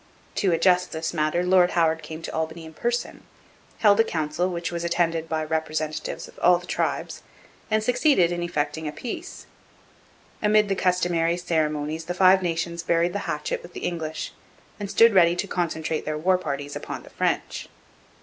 To adjust this matter Lord Howard came to Albany in person, held a council which was attended by representatives of all the tribes, and succeeded in effecting a peace. Amid the customary ceremonies the Five Nations buried the hatchet with the English, and stood ready to concentrate their war parties upon the French.